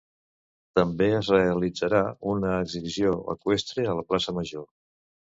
També es realitzarà una exhibició eqüestre a la plaça Major.